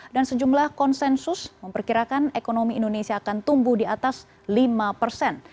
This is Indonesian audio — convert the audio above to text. dan sejumlah konsensus memperkirakan ekonomi indonesia akan tumbuh di atas lima persen